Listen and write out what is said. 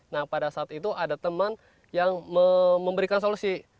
nah pada saat itu ada teman yang memberikan solusi